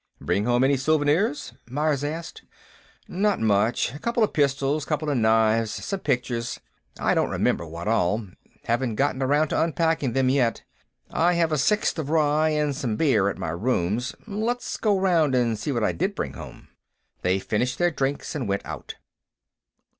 "Bring home any souvenirs?" Myers asked. "Not much. Couple of pistols, couple of knives, some pictures. I don't remember what all; haven't gotten around to unpacking them, yet.... I have a sixth of rye and some beer, at my rooms. Let's go around and see what I did bring home." They finished their drinks and went out.